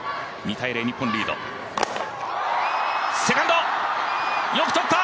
セカンド、よくとった！